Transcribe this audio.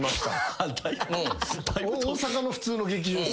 大阪の普通の劇場ですよ。